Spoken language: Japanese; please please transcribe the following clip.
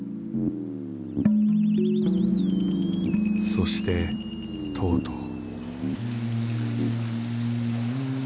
［そしてとうとう］